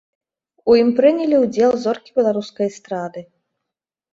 У ім прынялі ўдзел зоркі беларускай эстрады.